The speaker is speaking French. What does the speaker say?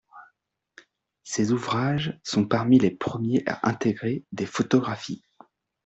Ses ouvrages sont parmi les premiers à intégrer des photographies.